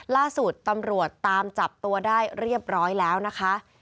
ล่าสุดตำรวจตามจับตัวได้เรียบร้อยแล้วนะคะ